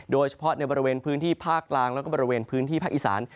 โดยเฉพาะในบริเวณพื้นที่ภาคกลางแล้วก็บริเวณพื้นที่ภาคอีสาน